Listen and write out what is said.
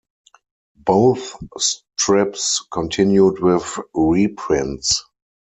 Both strips continued with reprints.